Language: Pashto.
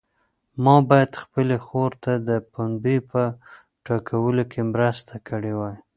ما باید خپلې خور ته د پنبې په ټولولو کې مرسته کړې وای.